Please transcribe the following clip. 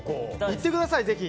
行ってください、ぜひ。